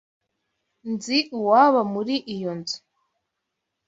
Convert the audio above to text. Nzi uwaba muri iyo nzu.